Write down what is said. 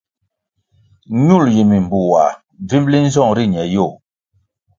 Ñul yi mimbuwah bvimli nzong ri ñe yôh.